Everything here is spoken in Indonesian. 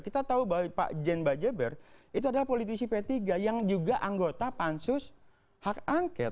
kita tahu bahwa pak jen bajeber itu adalah politisi p tiga yang juga anggota pansus hak angket